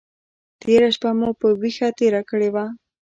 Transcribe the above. تېره شپه مو په ویښه تېره کړې وه.